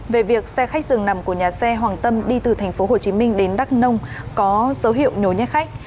về việc xe khách dừng nằm của nhà xe hoàng tâm đi từ thành phố hồ chí minh đến đắk nông có dấu hiệu nhổ nhét khách